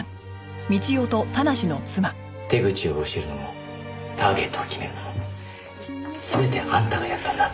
手口を教えるのもターゲットを決めるのも全てあんたがやったんだ。